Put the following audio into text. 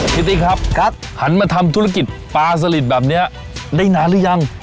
ติ๊กครับกัสหันมาทำธุรกิจปลาสลิดแบบนี้ได้นานหรือยัง